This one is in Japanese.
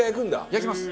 焼きます。